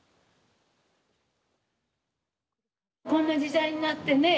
こんな時代になってね